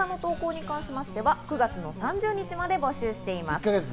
動画の投稿に関しては９月３０日まで募集しています。